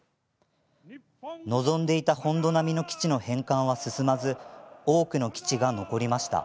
望んでいた本土並みの基地の返還は進まず多くの基地が残りました。